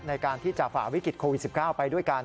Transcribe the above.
ในการที่จะฝ่าวิกฤตโควิด๑๙ไปด้วยกัน